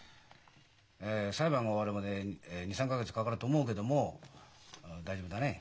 え裁判が終わるまで２３か月かかると思うけども大丈夫だね？